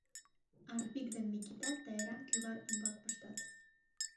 Арпик ден Микита Тайрам кӱвар ӱмбак пыштат.